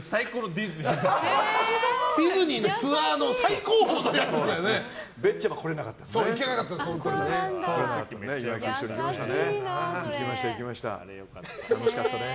ディズニーのツアーの最高峰のやつだよね。